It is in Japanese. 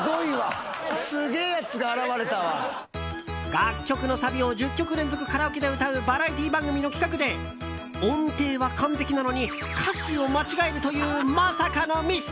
楽曲のサビを１０曲連続で歌うバラエティー番組の企画で音程は完璧なのに歌詞を間違えるというまさかのミス。